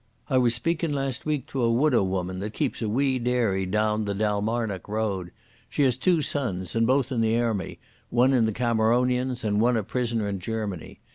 I was speakin' last week to a widow woman that keeps a wee dairy down the Dalmarnock Road. She has two sons, and both in the airmy, one in the Cameronians and one a prisoner in Germany.